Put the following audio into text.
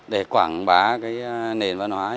để quảng bá nền văn hóa